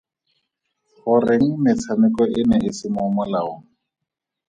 Goreng metshameko e ne e se mo molaong?